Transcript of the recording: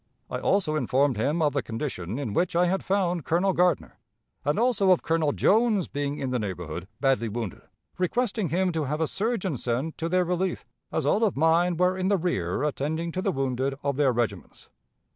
I also informed him of the condition in which I had found Colonel Gardner, and also of Colonel Jones being in the neighborhood badly wounded, requesting him to have a surgeon sent to their relief, as all of mine were in the rear attending to the wounded of their regiments.